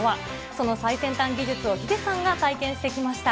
その最先端技術をヒデさんが体験してきました。